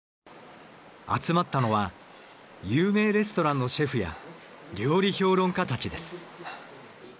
集まったのは有名レストランのシェフや料理評論家たちです。